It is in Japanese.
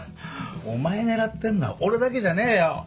お前狙ってんのは俺だけじゃねえよ。